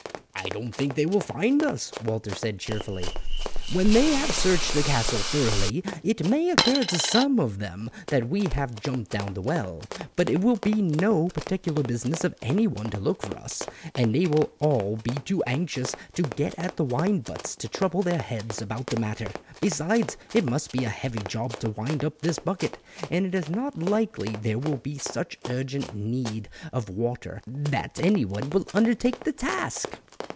"I don't think they will find us," Walter said cheerfully. "When they have searched the castle thoroughly it may occur to some of them that we have jumped down the well, but it will be no particular business of anyone to look for us, and they will all be too anxious to get at the wine butts to trouble their heads about the matter; besides, it must be a heavy job to wind up this bucket, and it is not likely there will be such urgent need of water that anyone will undertake the task."